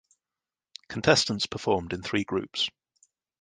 Contestants performed in three groups.